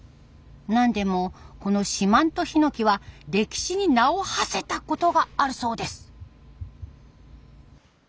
何でもこの四万十ヒノキは歴史に名をはせたことがあるそうです。